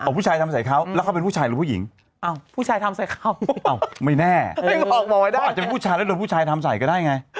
ผู้ชายทำใส่เขาไม่แน่บอกไม่ได้อาจจะเป็นผู้ชายแล้วโดนผู้ชายทำใส่ก็ได้ไง